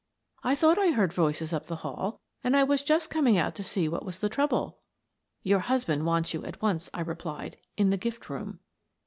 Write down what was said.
" I thought I heard voices up the hall, and I was just coming out to see what was the trouble." " Your husband wants you at once," I replied, " in the gift room."